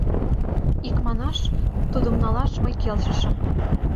Икманаш, тудым налаш мый келшышым.